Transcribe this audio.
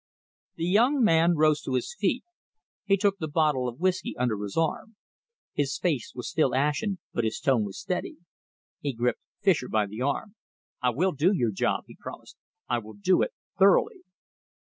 The young man rose to his feet. He took the bottle of whisky under his arm. His face was still ashen, but his tone was steady. He gripped Fischer by the arm. "I will do your job," he promised. "I will do it thoroughly."